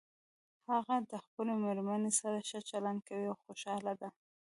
هغه د خپلې مېرمنې سره ښه چلند کوي او خوشحاله ده